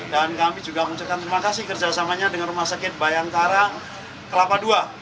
dan kami juga mengucapkan terima kasih kerjasamanya dengan rumah sakit bayang tara kelapa ii